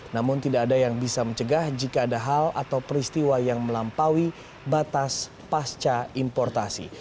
namun tidak ada yang bisa mencegah jika ada hal atau peristiwa yang melampaui batas pasca importasi